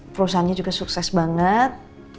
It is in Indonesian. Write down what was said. perusahaannya juga sukses banget